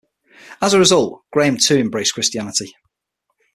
As a result, Graham too embraced Christianity.